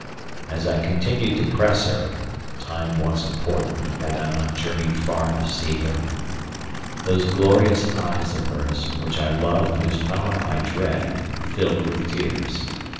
As I continued to press her (time was important: had I not journeyed far to see her?), those glorious eyes of hers, which I love and whose power I dread, filled with tears.